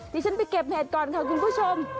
ฉันไปเก็บเห็ดก่อนค่ะคุณผู้ชม